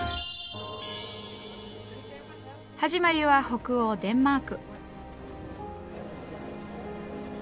始まりは北欧デンマーク。